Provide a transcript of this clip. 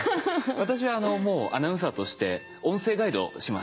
私アナウンサーとして音声ガイドします。